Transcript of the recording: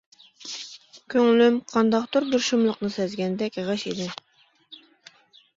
كۆڭلۈم قانداقتۇر بىر شۇملۇقنى سەزگەندەك غەش ئىدى.